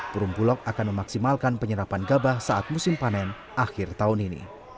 perumbulok akan memaksimalkan penyerapan gabah saat musim panen akhir tahun ini